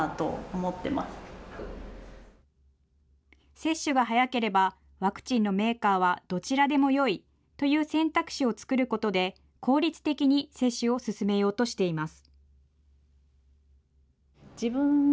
接種が早ければ、ワクチンのメーカーはどちらでもよいという選択肢を作ることで、効率的に接種を進めようとしています。